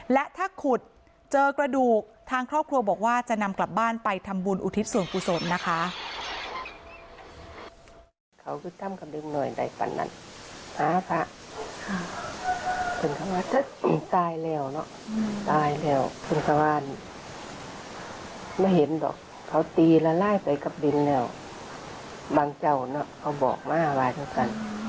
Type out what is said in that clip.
และถ้าขุดเจอกระดูกทางครอบครัวบอกว่าจะนำกลับบ้านไปทำบุญอุทิศส่วนกุศลนะคะ